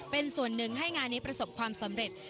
เป็นส่วนหนึ่งให้งานนี้ประสบความสำเร็จ